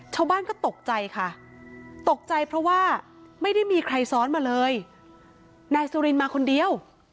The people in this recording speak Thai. ชาวบ้านก็ตกใจค่ะตกใจเพราะว่าไม่ได้มีใครซ้อนมาเลยนายสุรินมาคนเดียว